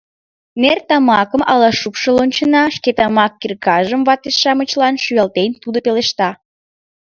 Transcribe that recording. — Нер тамакым ала шупшыл ончена? — шке тамак киркажым вате-шамычлан шуялтен, тудо пелешта.